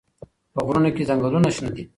په غرونو کې ځنګلونه شنه دي.